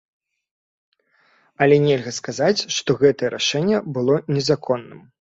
Але нельга сказаць, што гэтае рашэнне было незаконным.